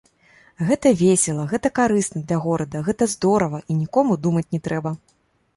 Гэта весела, гэта карысна для горада, гэта здорава, і нікому думаць не трэба.